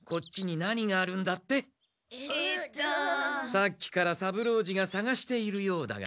さっきから三郎次がさがしているようだが。